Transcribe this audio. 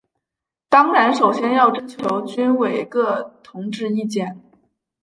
当然首先要征求军委各同志意见。